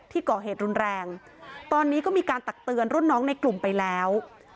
ที่ก่อเหตุรุนแรงตอนนี้ก็มีการตักเตือนรุ่นน้องในกลุ่มไปแล้ว